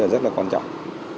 rất là quan trọng